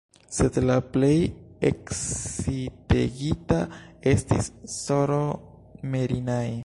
Sed la plej ekscitegita estis S-ro Merinai.